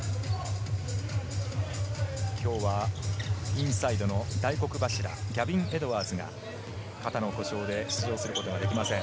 今日はインサイドの大黒柱、ギャビン・エドワーズが肩の故障で出場することができません。